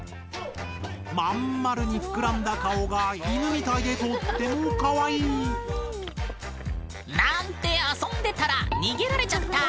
まん丸に膨らんだ顔が犬みたいでとってもかわいい。なんて遊んでたら逃げられちゃった。